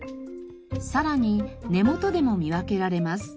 さらに根元でも見分けられます。